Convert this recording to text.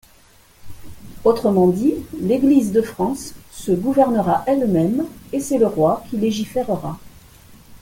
Autrement dit, l'Église de France se gouvernera elle-même et c'est le roi qui légifèrera.